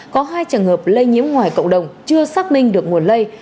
có hai trường hợp lây nhiễm ngoài cộng đồng chưa xác minh được nguồn lây